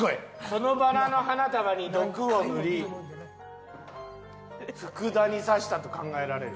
このバラの花束に毒を塗り福田に刺したと考えられる。